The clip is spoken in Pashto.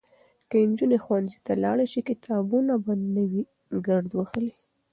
که نجونې ښوونځي ته لاړې شي نو کتابونه به نه وي ګرد وهلي.